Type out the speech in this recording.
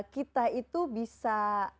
kita itu bisa